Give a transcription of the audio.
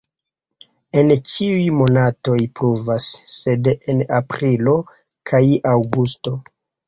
En ĉiuj monatoj pluvas, sed en aprilo kaj aŭgusto.